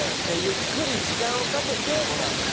ゆっくり時間をかけて。